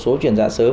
số chuyển dạ sớm